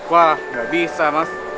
wah gak bisa mas